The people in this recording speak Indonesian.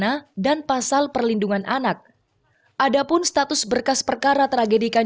pasal pembunuhan berencana dan pasal perlindungan anak ada pun status berkas perkara tragedikan